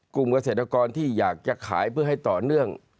กลุ่มเกษตรกรที่อยากจะขายเพื่อให้ต่อเนื่อง